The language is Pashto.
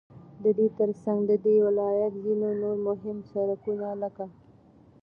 ددې ترڅنگ ددې ولايت ځينو نور مهم سړكونه لكه: